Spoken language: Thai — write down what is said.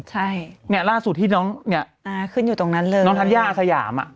ใช่เนี่ยล่าสุดที่น้องเนี่ยอ่าขึ้นอยู่ตรงนั้นเลยน้องธัญญาอาสยามอ่ะ